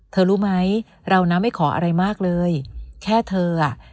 รู้ไหมเรานะไม่ขออะไรมากเลยแค่เธออ่ะ